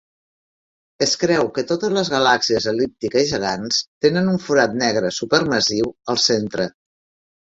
Es creu que totes les galàxies el·líptiques gegants tenen un forat negre supermassiu al centre.